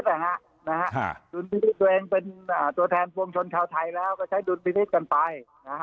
ตัวเองเป็นตัวแทนวงชนชาวไทยแล้วก็ใช้ดุลปิติกันไป